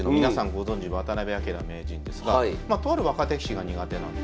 ご存じ渡辺明名人ですがとある若手棋士が苦手なんです。